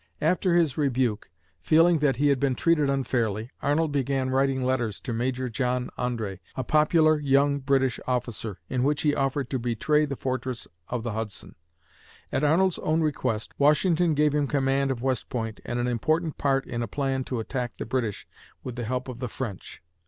After his rebuke, feeling that he had been treated unfairly, Arnold began writing letters to Major John André, a popular young British officer, in which he offered to betray the fortress of the Hudson. At Arnold's own request, Washington gave him command of West Point and an important part in a plan to attack the British with the help of the French.